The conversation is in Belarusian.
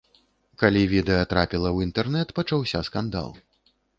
Калі відэа трапіла ў інтэрнэт, пачаўся скандал.